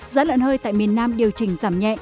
giá lợn hơi tại miền nam điều chỉnh giảm nhẹ